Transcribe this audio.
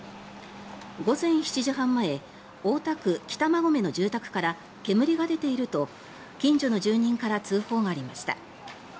午前７時半前大田区北馬込の住宅から煙が出ていると、近所の住人から通報がありました。